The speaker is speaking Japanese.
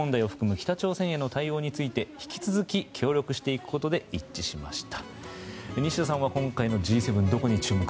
北朝鮮への対応について引き続き協力していくことで一致しました。